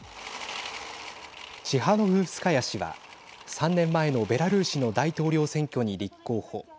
チハノフスカヤ氏は３年前のベラルーシの大統領選挙に立候補。